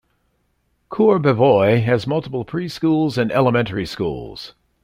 Courbevoie has multiple preschools and elementary schools.